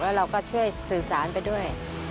แล้วเราก็ช่วยสื่อสารไปด้วย